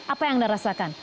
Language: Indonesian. apa yang anda rasakan